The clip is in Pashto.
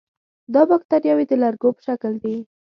دا باکتریاوې د لرګو په شکل دي.